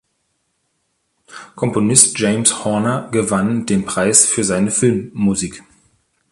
Komponist James Horner gewann den Preis für seine Filmmusik.